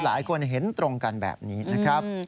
หลายคนเห็นตรงกันแบบนี้นะครับ